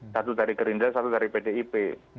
satu dari gerindra satu dari pdip